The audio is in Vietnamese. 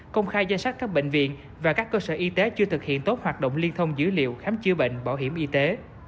công khai danh sách các bệnh viện và các cơ sở y tế chưa thực hiện tốt hoạt động liên thông dữ liệu khám chữa bệnh bảo hiểm y tế